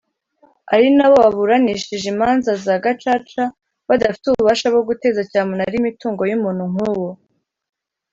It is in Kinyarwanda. ari na bo baburanishije imanza za Gacaca badafite ububasha bwo guteza cyamunara imitungo y’umuntu nk’uwo